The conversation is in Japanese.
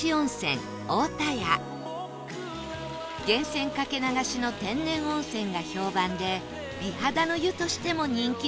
源泉掛け流しの天然温泉が評判で美肌の湯としても人気の温泉です